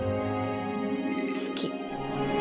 好き。